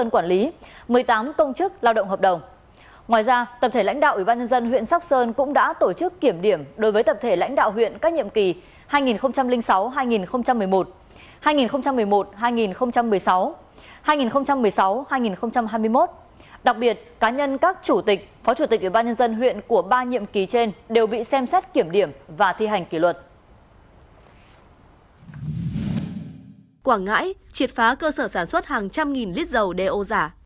quảng ngãi triệt phá cơ sở sản xuất hàng trăm nghìn lít dầu đe ô giả